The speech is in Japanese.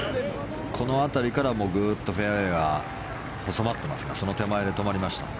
この辺りからグッとフェアウェーは細まっていますがその手前で止まりました。